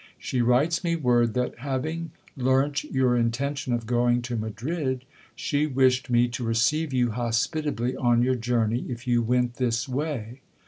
She writes me word that Laving learnt your intention of going to Madrid, she wished me to receive you hospitably on your journey, if you went this way.